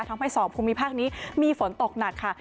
ทำให้สองภูมิภาคนี้มีฝนตกหนักค่ะ